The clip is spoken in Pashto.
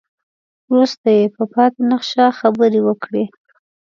وروسته يې په پاتې نخشه خبرې وکړې.